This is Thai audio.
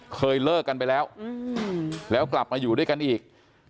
เคยเลิกกันไปแล้วแล้วกลับมาอยู่ด้วยกันอีก